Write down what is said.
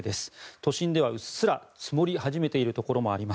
都心ではうっすら積もり始めているところもあります。